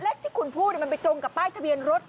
ที่คุณพูดมันไปตรงกับป้ายทะเบียนรถ